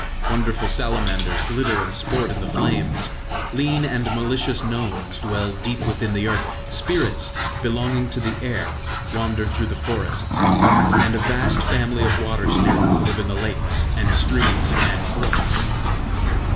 Wonderful salamanders glitter and sport in the flames; lean and malicious gnomes dwell deep within the earth; spirits, belonging to the air, wander through the forests, and a vast family of water spirits live in the lakes, and streams, and brooks.